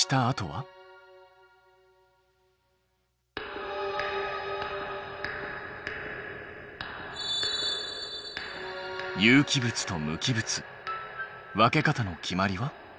有機物と無機物分け方の決まりは？